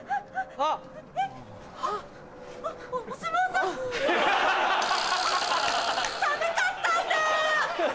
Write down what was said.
あっ寒かったんだ！